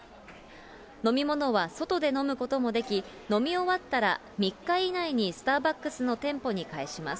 飲み物は外で飲むこともでき、飲み終わったら、３日以内にスターバックスの店舗に返します。